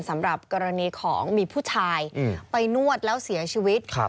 สำหรับกรณีของมีผู้ชายไปนวดแล้วเสียชีวิต